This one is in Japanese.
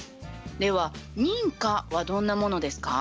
では「認可」はどんなものですか？